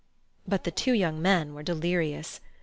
But the two young men were delirious.